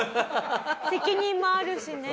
責任もあるしね